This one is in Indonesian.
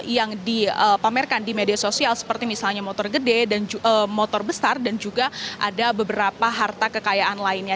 yang dipamerkan di media sosial seperti misalnya motor gede motor besar dan juga ada beberapa harta kekayaan lainnya